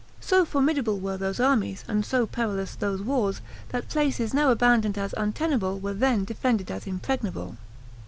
So formidable were those armies, and so perilous those wars, that places now abandoned as untenable were then defended as impregnable.